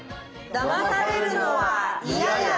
だまされるのはイヤヤ！